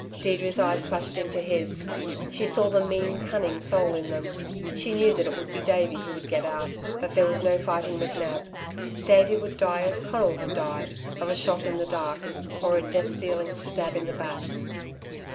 Deirdre's eyes flashed into his. She saw the mean cunning soul in them. She knew that it would be Davey who would get out, that there was no fighting McNab. Davey would die as Conal had died, of a shot in the dark, or a death dealing stab in the back.